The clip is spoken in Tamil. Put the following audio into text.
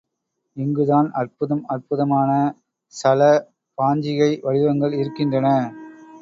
இங்குதான் அற்புதம் அற்புதமான சல பாஞ்சிகை வடிவங்கள் இருக்கின்றன.